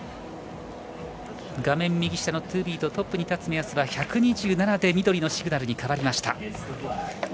画面右下のトゥビートトップに立つ目安は１２７で緑のシグナルに変わりました。